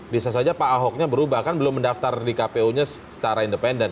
bisa saja pak ahoknya berubah kan belum mendaftar di kpu nya secara independen